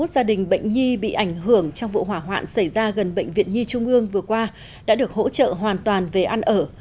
hai mươi gia đình bệnh nhi bị ảnh hưởng trong vụ hỏa hoạn xảy ra gần bệnh viện nhi trung ương vừa qua đã được hỗ trợ hoàn toàn về ăn ở